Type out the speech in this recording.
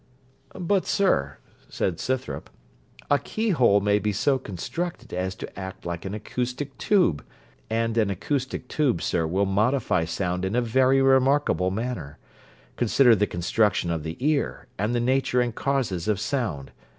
'But, sir,' said Scythrop, 'a key hole may be so constructed as to act like an acoustic tube, and an acoustic tube, sir, will modify sound in a very remarkable manner. Consider the construction of the ear, and the nature and causes of sound.